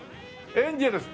「エンジェルス」。